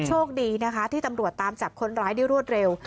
โชคดีนะคะที่ตำรวจตามจับคนร้ายได้รวดเร็ว